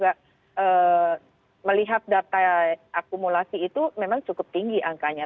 beberapa hari ini yang kami juga melihat data akumulasi itu memang cukup tinggi angkanya